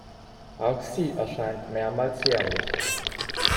Auch sie erscheint mehrmals jährlich.